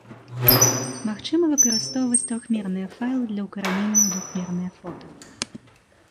Магчыма выкарыстоўваць трохмерныя файлы для ўкаранення ў двухмернае фота.